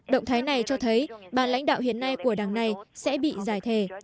động thái này cho thấy bà lãnh đạo hiện nay của đảng này sẽ bị giải thề